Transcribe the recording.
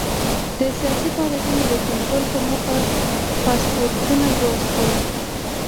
د سیاسي فعالیتونو د کنټرول په موخه پاسپورټونه جوړ شول.